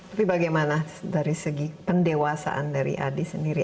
tapi bagaimana dari segi pendewasaan dari adi sendiri